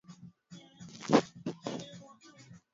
Chanjo zitolewe kwa mifugo kwa wakati